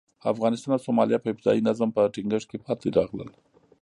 افغانستان او سومالیا په ابتدايي نظم په ټینګښت کې پاتې راغلي.